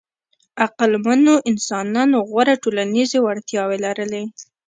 عقلمنو انسانانو غوره ټولنیزې وړتیاوې لرلې.